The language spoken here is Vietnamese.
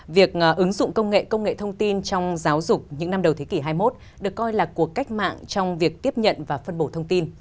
việc ứng dụng công nghệ công nghệ thông tin trong giáo dục những năm đầu thế kỷ hai mươi một được coi là cuộc cách mạng trong việc tiếp nhận và phân bổ thông tin